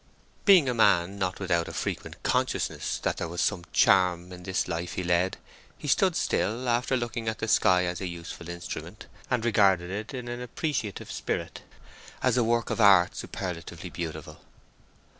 Being a man not without a frequent consciousness that there was some charm in this life he led, he stood still after looking at the sky as a useful instrument, and regarded it in an appreciative spirit, as a work of art superlatively beautiful.